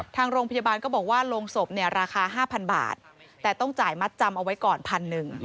ทางโรงพยาบาลก็บอกว่าโรงศพเนี่ยราคา๕๐๐บาทแต่ต้องจ่ายมัดจำเอาไว้ก่อนพันหนึ่ง